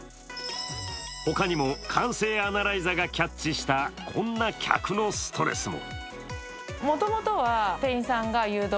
他にも、感性アナライザがキャッチしたこんな客のストレスも。